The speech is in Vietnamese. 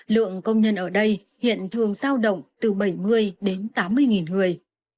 lượng công nhân ở đây hiện thường giao động từ bảy mươi đến tám mươi người